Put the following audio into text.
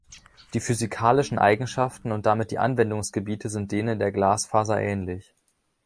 Die physikalischen Eigenschaften und damit die Anwendungsgebiete sind denen der Glasfaser ähnlich.